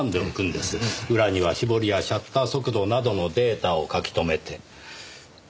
裏には絞りやシャッター速度などのデータを書き留めて。